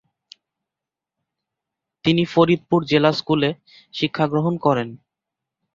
তিনি ফরিদপুর জেলা স্কুলে শিক্ষা গ্রহণ করেন।